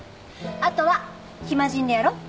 あとは暇人でやろう。